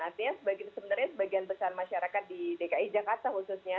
artinya sebenarnya sebagian besar masyarakat di dki jakarta khususnya